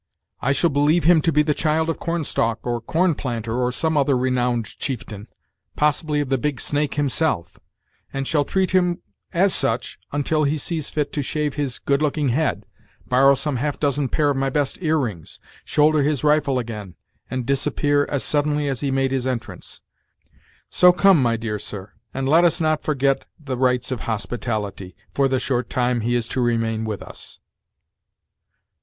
I shall believe him to be the child of Corn stalk, or Corn planter, or some other renowned chieftain; possibly of the Big Snake himself; and shall treat him as such until he sees fit to shave his good looking head, borrow some half dozen pair of my best earrings, shoulder his rifle again, and disappear as suddenly as he made his entrance. So come, my dear sir, and let us not forget the rites of hospitality, for the short time he is to remain with us."